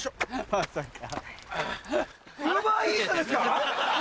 まさか。